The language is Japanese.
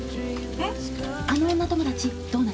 えっ？